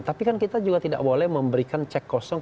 tapi kan kita juga tidak boleh memberikan cek kosong